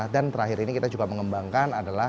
dan terakhir ini kita juga mengembangkan adalah